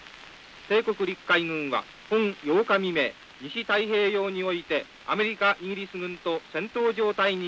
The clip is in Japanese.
帝国陸海軍は本８日未明西太平洋においてアメリカイギリス軍と戦闘状態に入れり」。